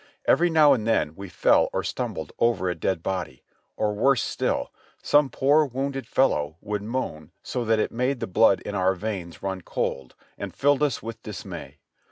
Every now and then we fell or stumbled over a dead body; or worse still, some poor wounded fellow would moan so that it made the blood in our veins run cold, and filled us with dismay.